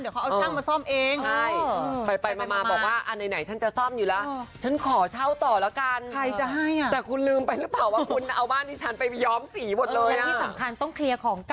เดี๋ยวเขาเอาช่างมาซ่อมเอง